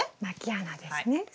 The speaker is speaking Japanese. まき穴ですね。